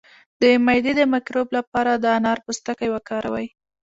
د معدې د مکروب لپاره د انار پوستکی وکاروئ